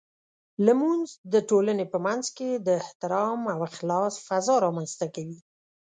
لمونځ د ټولنې په منځ کې د احترام او اخلاص فضاء رامنځته کوي.